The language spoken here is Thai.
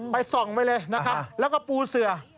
ส่องไปเลยนะครับแล้วก็ปูเสือ